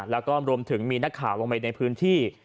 แล้วก็รวมถึงมีนักข่าวลงไปในพื้นที่